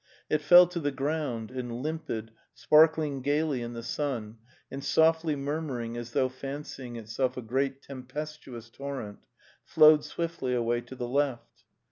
It fell to the ground, and limpid, sparkling gaily in the sun, and softly murmuring as though fancying itself a great tempestuous torrent, flowed swiftly away tothe left.